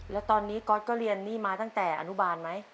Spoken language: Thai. แล้วตอนนี้ก๊อตก็เรียนหนี้มาตั้งแต่อนุบาลไหม